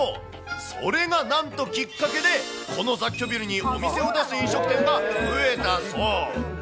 それがなんと、きっかけでこの雑居ビルにお店を出す飲食店が増えたそう。